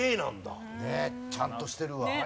ちゃんとしてるわ。